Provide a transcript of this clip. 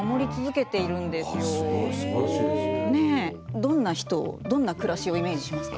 どんな人をどんな暮らしをイメージしますか？